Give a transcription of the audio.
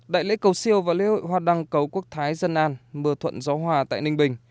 đại lễ cầu siêu và lễ hội hoa đăng cầu quốc thái dân an mưa thuận gió hòa tại ninh bình